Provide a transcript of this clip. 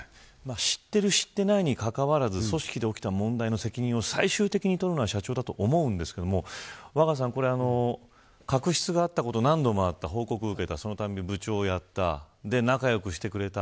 知ってる、知ってないに関わらず、組織で起きた問題を最終的に責任を取るのは社長だと思いますが若狭さん、確執があったことを何度も報告を受けてそのたびに部長をやって仲良くしてくれた。